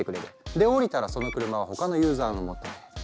で降りたらその車は他のユーザーの元へ。